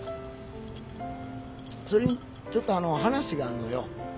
それにちょっと話があんのよ。